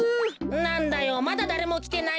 なんだよまだだれもきてないのかよ。